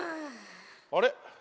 あれ？